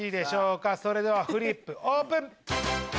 それではフリップオープン！